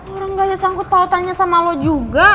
orang gak aja sangkut pautannya sama lo juga